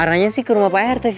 arahnya sih ke rumah pak rtv